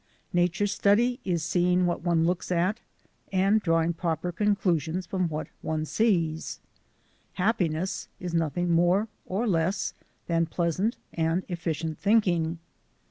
Nature Study is seeing what one looks at and draw ing proper conclusions from what one sees. Happiness is nothing more or less than pleasant and efficient thinking.